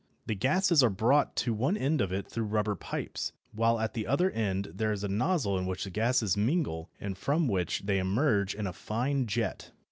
The gases are brought to one end of it through rubber pipes, while at the other end there is a nozzle in which the gases mingle and from which they emerge in a fine jet.